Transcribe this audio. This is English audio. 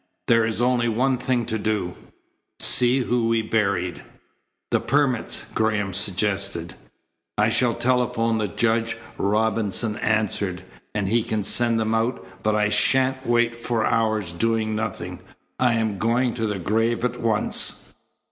There is only one thing to do see who we buried." "The permits?" Graham suggested. "I shall telephone the judge," Robinson answered, "and he can send them out, but I shan't wait for hours doing nothing. I am going to the grave at once."